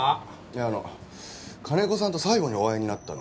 いやあの金子さんと最後にお会いになったのは？